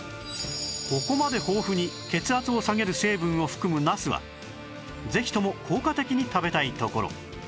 ここまで豊富に血圧を下げる成分を含むナスはぜひとも効果的に食べたいところ